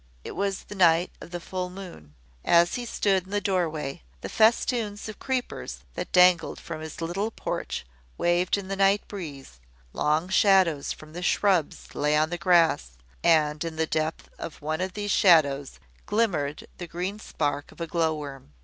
It was the night of the full moon. As he stood in the doorway, the festoons of creepers that dangled from his little porch waved in the night breeze; long shadows from the shrubs lay on the grass; and in the depth of one of these shadows glimmered the green spark of a glow worm.